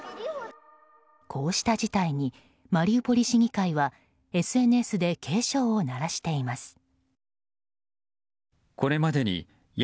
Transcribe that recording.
こうした事態にマリウポリ市議会はＳＮＳで警鐘を鳴らしています。